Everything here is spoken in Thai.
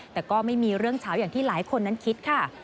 แต่ก็ไม่มีเรื่องเฉาอย่างที่หลายคนนั้นคิดค่ะ